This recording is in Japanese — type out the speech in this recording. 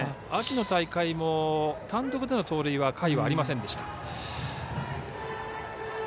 秋の大会も単独での盗塁は甲斐はありませんでした。